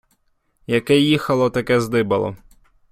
Яке їхало, таке здибало.